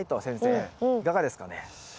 先生いかがですかね？